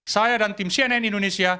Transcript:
saya dan tim cnn indonesia